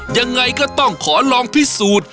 ยังไงก็ต้องขอลองพิสูจน์